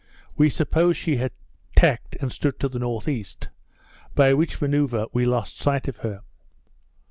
We supposed she had tacked and stood to the N.E., by which manoeuvre we lost sight of her.